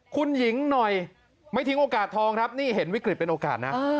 คุณหญิงหน่อยไม่ทิ้งโอกาสทองครับนี่เห็นวิกฤตเป็นโอกาสนะ